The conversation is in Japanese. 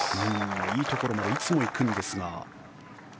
いいところまでいつも行くんですが。